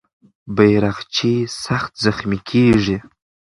بیرغچی سخت زخمي کېږي.